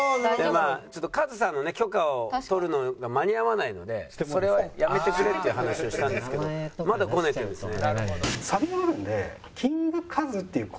でカズさんのね許可を取るのが間に合わないのでそれはやめてくれっていう話をしたんですけどまだごねてるんですね。